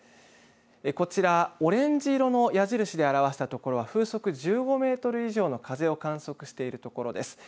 こちら、オレンジ色の矢印で表したところは風速１５メートル以上の風を観測しているところです。